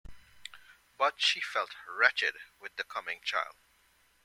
But she felt wretched with the coming child.